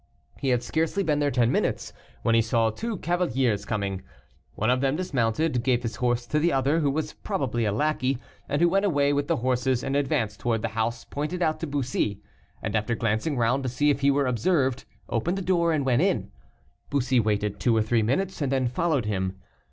He had scarcely been there ten minutes, when he saw two cavaliers coming. One of them dismounted, gave his horse to the other, who was probably a lackey, and who went away with the horses, and advanced towards the house pointed out to Bussy, and, after glancing round to see if he were observed, opened the door and went in. Bussy waited two or three minutes, and then followed him.